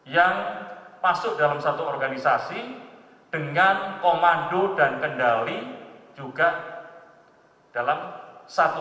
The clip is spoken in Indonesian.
yang masuk dalam satu organisasi dengan komando dan kendali juga dalam satu